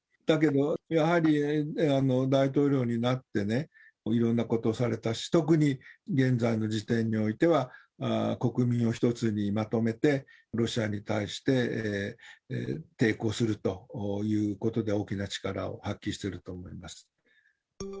だけど、やはり大統領になってね、いろんなことをされたし、特に現在の時点においては、国民を一つにまとめて、ロシアに対して抵抗するということで、大きな力を発揮してると思います。